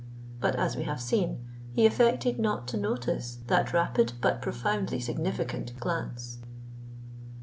But, as we have seen, he affected not to notice that rapid but profoundly significant glance.